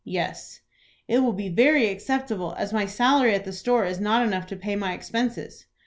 "Yes." "It will be very acceptable, as my salary at the store is not enough to pay my expenses."